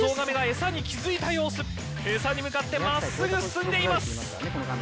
餌に向かって真っすぐ進んでいます。